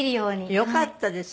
よかったですよ。